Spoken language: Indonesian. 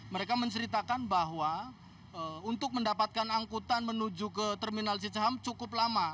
mereka menceritakan bahwa untuk mendapatkan angkutan menuju ke terminal cicaham cukup lama